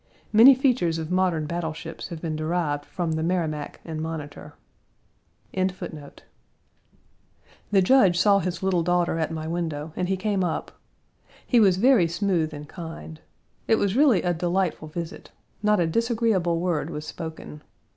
Many features of modern battle ships have been derived from the Merrimac and Monitor. Page 137 illumining a dark scene. Our sky is black and lowering. The Judge saw his little daughter at my window and he came up. He was very smooth and kind. It was really a delightful visit; not a disagreeable word was spoken.